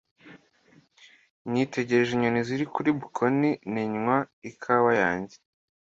Nitegereje inyoni ziri kuri bkoni ninywa ikawa yanjye.